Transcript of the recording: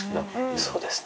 そうですね。